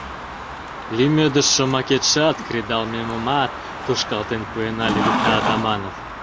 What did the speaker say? — Лӱмедыш шомакетшат, кредалмемымат тушкалтен пуэна, — лӱдыкта Атаманов.